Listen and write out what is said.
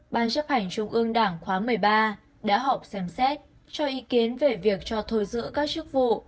ban chấp hành trung ương đảng khóa một mươi ba đã họp xem xét cho ý kiến về việc cho thôi giữa các chức vụ